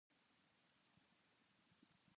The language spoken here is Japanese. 切れかかった線を繋ぎとめて